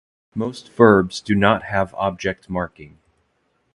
Most verbs do not have object marking.